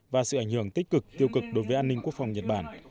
và sự ảnh hưởng tích cực tiêu cực đối với an ninh quốc phòng nhật bản